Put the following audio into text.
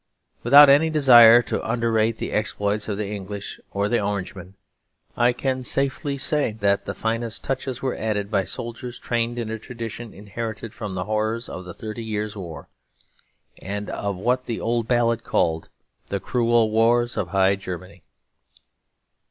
Without any desire to underrate the exploits of the English or the Orangemen, I can safely say that the finest touches were added by soldiers trained in a tradition inherited from the horrors of the Thirty Years' War, and of what the old ballad called "the cruel wars of High Germanie."